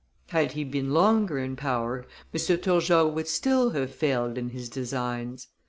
Had he been longer in power, M. Turgot would still have failed in his designs.